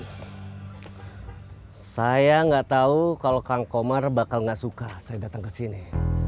saya nggak tahu kalau kang komar bakal nggak suka saya datang ke sini